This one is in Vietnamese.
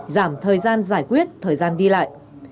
giảm thời gian giải quyết thời gian đi lại